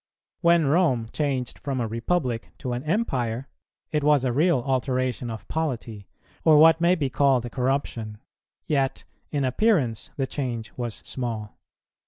When Rome changed from a Republic to an Empire, it was a real alteration of polity, or what may be called a corruption; yet in appearance the change was small.